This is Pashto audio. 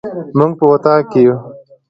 موږ په اطاق کي يو